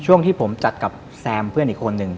ช่วงที่ผมจัดกับแซมเพื่อนอีกคนนึง